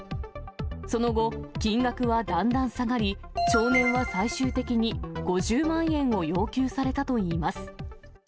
その後、金額はだんだん下がり、少年は最終的に、５０万円を要求されたといいます。